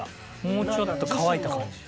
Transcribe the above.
もうちょっと乾いた感じ？